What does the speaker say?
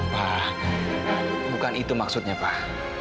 pak bukan itu maksudnya pak